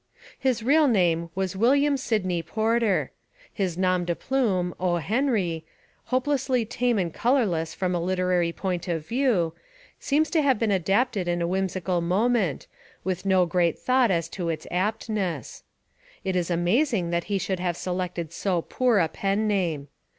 His real name was William Sydney Porter. His nom de plume, O. Henry, — hopelessly tame and colourless from a literary point of view, — seems to have been adapted in a whimsical mo ment, with no great thought as to its aptness. It is amazing that he should have selected so poor a pen name.